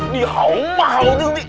ni haumah haudun ni